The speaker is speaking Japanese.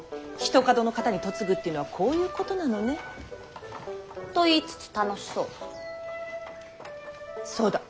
ひとかどの方に嫁ぐっていうのはこういうことなのね。と言いつつ楽しそう。